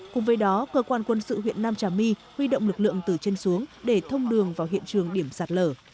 cùng với đó cơ quan quân sự huyện nam trà my huy động lực lượng từ trên xuống để thông đường vào hiện trường điểm sạt lở